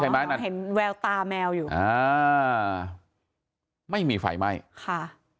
ไม่มีไฟไม้ค่ะ